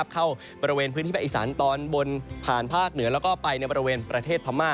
เข้าบริเวณพื้นที่ภาคอีสานตอนบนผ่านภาคเหนือแล้วก็ไปในบริเวณประเทศพม่า